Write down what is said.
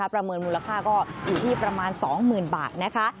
ประเมินมูลค่าก็อยู่ที่ประมาณ๒หมื่นบาท